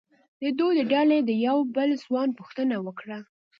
د دوی د ډلې د یوه بل ځوان پوښتنه وکړه.